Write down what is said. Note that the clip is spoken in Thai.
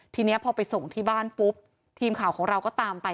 ทีนี้พอไปส่งที่บ้านปุ๊บทีมข่าวของเราก็ตามไป